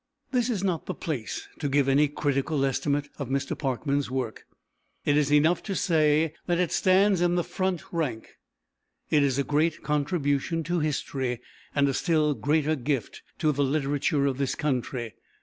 This is not the place to give any critical estimate of Mr. Parkman's work. It is enough to say that it stands in the front rank. It is a great contribution to history, and a still greater gift to the literature of this country.